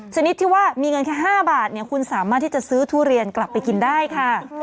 ชนิดที่ว่ามีเงินแค่๕บาทคุณสามารถที่จะซื้อทุเรียนกลับไปกินได้ค่ะ